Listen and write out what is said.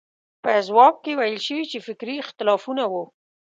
په ځواب کې ویل شوي چې فکري اختلافونه وو.